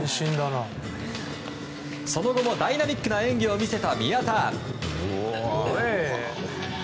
その後もダイナミックな演技を見せた宮田。